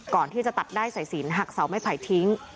ก่อนที่จะตัดได้สายสินหักเสาไม้ไผ่ทิ้ง